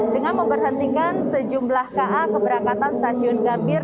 dengan memberhentikan sejumlah ka keberangkatan stasiun gambir